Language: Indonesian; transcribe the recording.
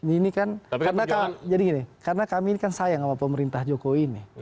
ini kan karena kami ini kan sayang sama pemerintah jokowi ini